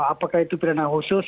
apakah itu pidana khusus